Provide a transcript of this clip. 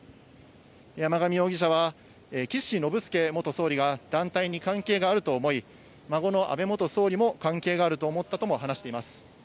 山上容疑者は、岸信介元総理が団体に関係があると思い、孫の安倍元総理も関係があると思ったとも話しています。